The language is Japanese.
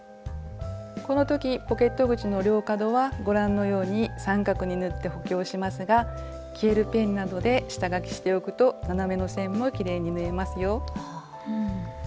この時ポケット口の両角はご覧のように三角に縫って補強しますが消えるペンなどで下書きしておくと斜めの線もきれいに縫えますよ。